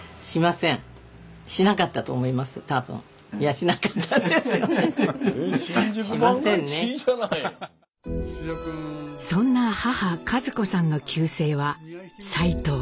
そんな母・和子さんの旧姓は齋藤。